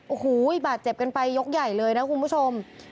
โอ้โหบาดเจ็บกันไปยกใหญ่เลยนะคุณผู้ชม